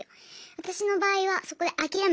私の場合はそこで諦めてしまって。